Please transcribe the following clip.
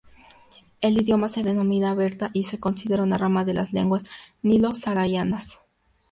El idioma se denomina berta y se considera una rama de las lenguas nilo-saharianas.